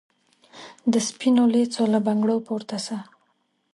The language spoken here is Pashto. د سپینو لېڅو له بنګړو پورته سه